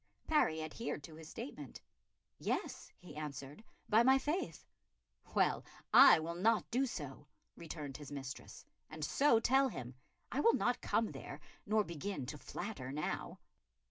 Parry adhered to his statement. "Yes," he answered, "by my faith." "Well, I will not do so," returned his mistress, "and so tell him. I will not come there, nor begin to flatter now."